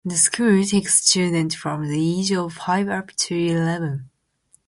The school takes students from the age of five up to eleven.